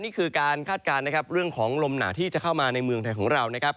นี่คือการคาดการณ์นะครับเรื่องของลมหนาที่จะเข้ามาในเมืองไทยของเรานะครับ